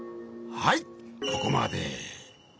はいここまで。